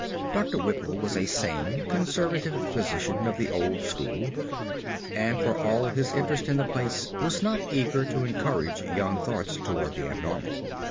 Doctor Whipple was a sane, conservative physician of the old school, and for all his interest in the place was not eager to encourage young thoughts toward the abnormal.